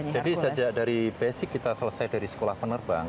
jadi sejak dari basic kita selesai dari sekolah penerbang